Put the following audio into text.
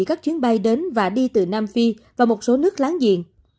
các chuyến bay đến và đi từ nam phi và một số nước láng giềng